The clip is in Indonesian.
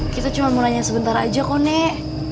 kita cuma mau nanya sebentar aja kok nek